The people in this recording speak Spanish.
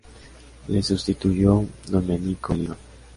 Le sustituyó Domenico Oliva.